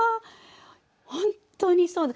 本当にそうだ！